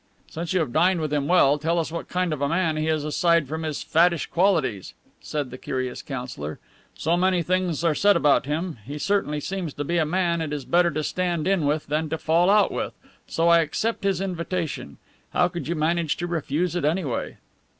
"Since you have dined with him, tell us what kind of a man he is aside from his fattish qualities," said the curious councilor. "So many things are said about him. He certainly seems to be a man it is better to stand in with than to fall out with, so I accept his invitation. How could you manage to refuse it, anyway?"